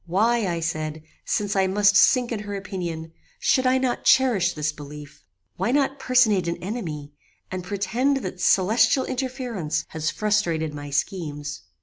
Why, I said, since I must sink in her opinion, should I not cherish this belief? Why not personate an enemy, and pretend that celestial interference has frustrated my schemes?